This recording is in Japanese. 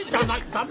駄目。